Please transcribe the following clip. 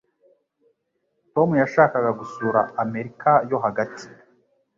Tom yashakaga gusura Amerika yo Hagati